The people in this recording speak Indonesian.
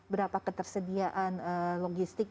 berapa ketersediaan logistik